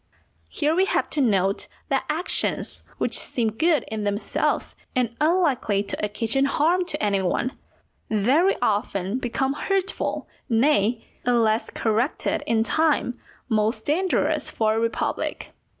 Here we have to note that actions which seem good in themselves and unlikely to occasion harm to any one, very often become hurtful, nay, unless corrected in time, most dangerous for a republic.